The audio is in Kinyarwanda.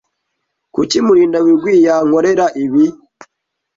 Kuki Murindabigwi yankorera ibi?